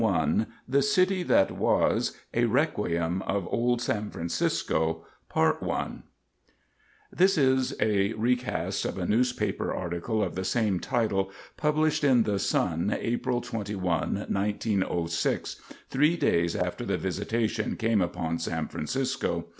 Schwan THE CITY THAT WAS A Requiem of Old San Francisco By Will Irwin This is a recast of a newspaper article of the same title published in The Sun April 21, 1906, three days after the Visitation came upon San Francisco.